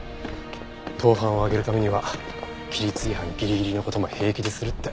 盗犯を挙げるためには規律違反ギリギリの事も平気でするって。